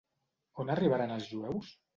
On arribaren els jueus?